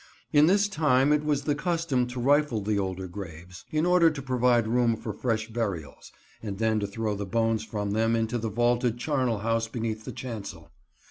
In his time it was the custom to rifle the older graves, in order to provide room for fresh burials, and then to throw the bones from them into the vaulted charnel house beneath the chancel.